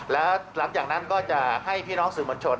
แล้วหลังจากนั้นก็จะให้พี่น้องสื่อมวลชน